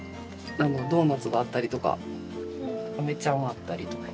ドーナツがあったりとかあめちゃんがあったりとか。